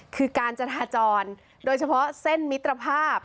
คือการจราจรโดยเฉพาะเส้นมิตรภาพ